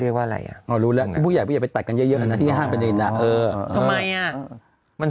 เรียวว่าอะไรอ่ะอ่อรู้เราตัดกันหน้าเท่าไกลนะอ่ามัน